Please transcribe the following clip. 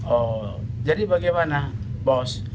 oh jadi bagaimana bos